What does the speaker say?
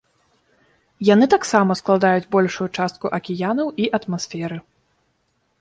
Яны таксама складаюць большую частку акіянаў і атмасферы.